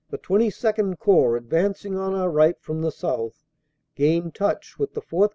The XXII Corps, advancing on our right from the south, gained touch with the 4th.